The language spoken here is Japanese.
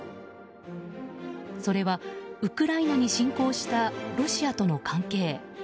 それはウクライナに侵攻したロシアとの関係。